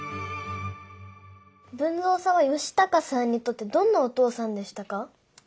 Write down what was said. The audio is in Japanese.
豊造さんは嘉孝さんにとってどんなお父さんでしたか？